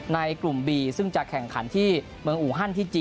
ในกลุ่มบีซึ่งจะแข่งขันที่เมืองอูฮันที่จีน